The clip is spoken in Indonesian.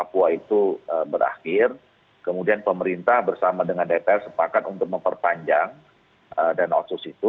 papua itu berakhir kemudian pemerintah bersama dengan dpr sepakat untuk memperpanjang dana otsus itu